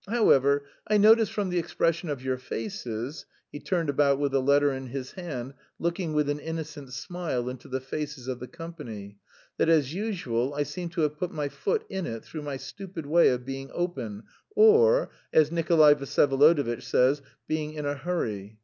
however, I notice from the expression of your faces" (he turned about with the letter in his hand looking with an innocent smile into the faces of the company) "that, as usual, I seem to have put my foot in it through my stupid way of being open, or, as Nikolay Vsyevolodovitch says, 'being in a hurry.'